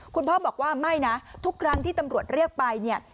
คุณพ่อบอกว่าไม่นะทุกครั้งที่ตำรวจเรียกไปเนี่ย